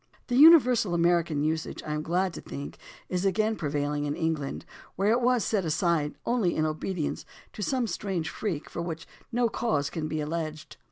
The imiversal American usage, I am glad to think, is again prevailing in England, where it was set aside only in obedience to some strange freak for which no cause can be alleged.